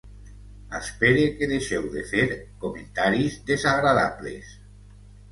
Espere que deixeu de fer comentaris desagradables.